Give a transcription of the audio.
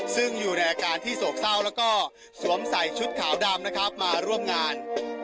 ซึ่งอยู่ในอาการที่โศกเศร้าแล้วก็สวมใส่ชุดขาวดำนะครับมาร่วมงาน